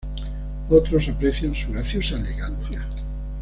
Otros aprecian su graciosa elegancia.